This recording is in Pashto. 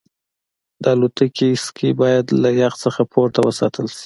د الوتکې سکي باید له یخ څخه پورته وساتل شي